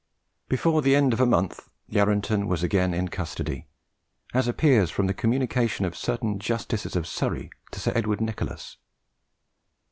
Before the end of a month Yarranton was again in custody, as appears from the communication of certain justices of Surrey to Sir Edward Nicholas.